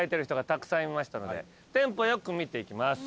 テンポ良く見ていきます。